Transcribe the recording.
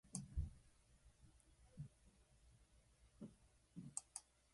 二十面相は、また、おびただしい美術品をぬすみためて、この新しいかくれがの地下室に、秘密の宝庫をこしらえていたのです。